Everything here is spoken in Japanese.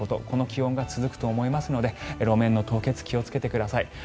この気温が続くと思いますので路面の凍結に気をつけてください。